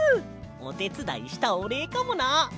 おてつだいしたおれいかもな！